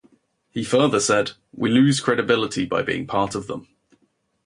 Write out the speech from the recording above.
He further said: We lose credibility by being a part of them.